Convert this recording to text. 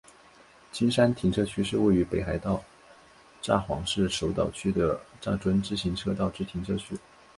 金山停车区是位于北海道札幌市手稻区的札樽自动车道之停车区。